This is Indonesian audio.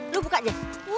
lu buka aja